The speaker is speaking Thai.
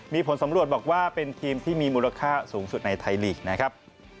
มีผลสำรวจบอกว่าเป็นทีมที่มีมูลค่าสูงสุดในไทยลีกนะครับ